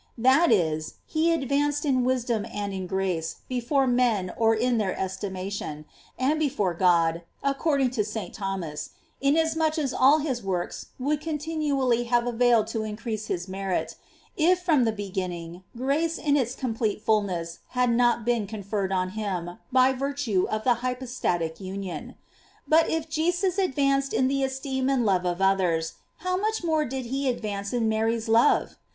* That is, he advanced in wisdom and in grace before men or in their estimation; and before God, accord ing to St. Thomas, f inasmuch as all his works would continually have availed to increase his merit, if from the beginning grace in its com plete fulness had not been conferred on him by virtue of the hypostatic union. But if Jesus ad vanced in the esteem and love of others, how much more did he advance in Mary's love!